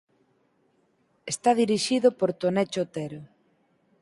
Está dirixido por Tonecho Otero.